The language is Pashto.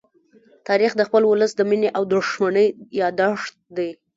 تاریخ د خپل ولس د مینې او دښمنۍ يادښت دی.